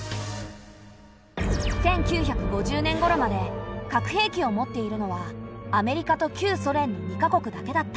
１９５０年ごろまで核兵器を持っているのはアメリカと旧ソ連の２か国だけだった。